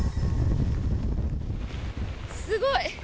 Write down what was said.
すごい。